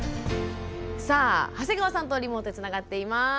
さあ長谷川さんとリモートでつながっています。